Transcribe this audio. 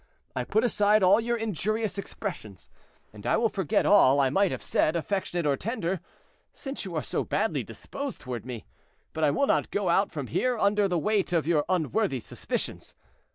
I put aside all your injurious expressions, and I will forget all I might have said, affectionate or tender, since you are so badly disposed toward me. But I will not go out from here under the weight of your unworthy suspicions.